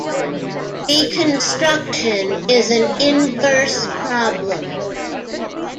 "Reconstruction" is an inverse problem.